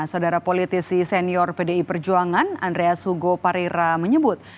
saudara politisi senior pdi perjuangan andreas hugo parira menyebut